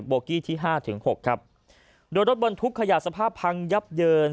กี้ที่ห้าถึงหกครับโดยรถบรรทุกขยะสภาพพังยับเยิน